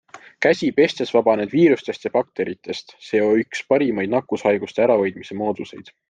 Käsi pestes vabaned viirustest ja bakteritest, see o üks parimaid nakkushaiguste ärahoidmise mooduseid.